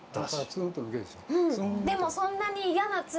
うんでもそんなに。